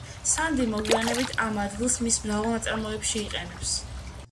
სანდი მოგვიანებით ამ ადგილს მის მრავალ ნაწარმოებში იყენებს.